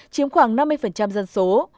chiếm khoảng năm mươi dân số